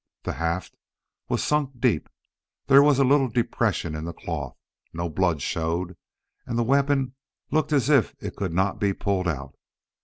The haft was sunk deep; there was a little depression in the cloth; no blood showed; and the weapon looked as if it could not be pulled out.